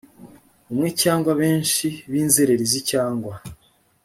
umwe cyangwa benshi b inzererezi cyangwa